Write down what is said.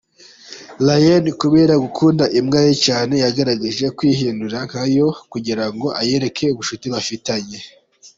Llana; kubera gukunda imbwa ye cyane yagerageje kwihindura nkayo, kugirango ayereke ubucuti bafitanye.